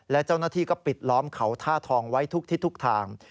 และเจ้าหน้าที่ก็ปิดล้อมเขาท่าทองไว้ทุกทิศทุกทาง